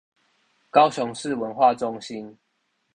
高雄市文化中心